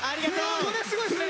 これすごいっすね！